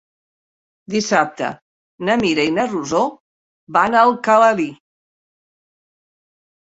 Dissabte na Mira i na Rosó van a Alcalalí.